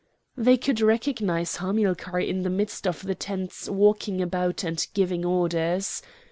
They could recognise Hamilcar in the midst of the tents walking about and giving orders.